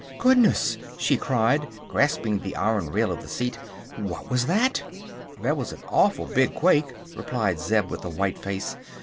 "Goodness!" she cried, grasping the iron rail of the seat. "What was that?" "That was an awful big quake," replied Zeb, with a white face.